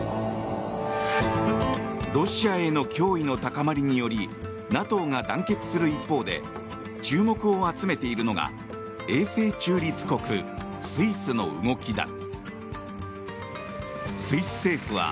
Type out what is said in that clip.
ロシアへの脅威の高まりによりＮＡＴＯが団結する一方で注目を集めているのが永世中立国スイスの動きだ。